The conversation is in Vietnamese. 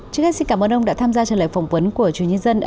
trước hết xin cảm ơn ông đã tham gia trả lời phỏng vấn của truyền nhân dân